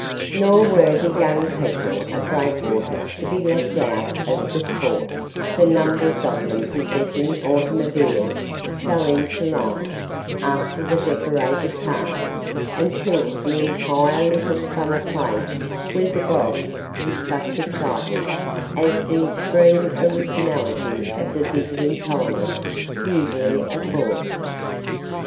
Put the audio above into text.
Nor were the young people of Breakwater to be left out of the sport, for numbers of them possessing automobiles, fell into line, after the decorated cars, until the entire little summer place was agog with such excitement as the extreme originality of the visiting colonists usually affords.